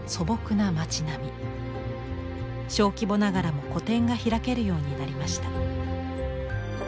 小規模ながらも個展が開けるようになりました。